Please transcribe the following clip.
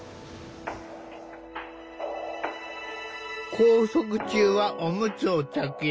拘束中はおむつを着用。